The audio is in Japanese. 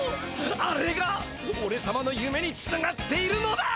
あれがおれさまのゆめにつながっているのだ！